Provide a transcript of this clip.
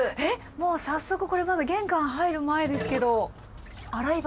もう早速これまだ玄関入る前ですけど洗い場？